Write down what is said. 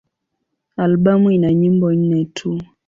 Albamu ina nyimbo nne tu.